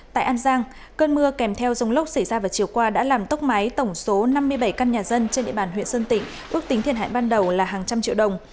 tại an giang cơn mưa kèm theo dông lốc xảy ra vào chiều qua đã làm tốc máy tổng số năm mươi bảy căn nhà dân trên địa bàn huyện sơn tịnh ước tính thiệt hại ban đầu là hàng trăm triệu đồng